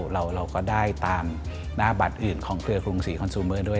เราก็ได้ตามหน้าบัตรอื่นของเครือกรุงศรีคอนซูเมอร์ด้วย